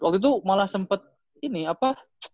waktu itu malah sempat ini apa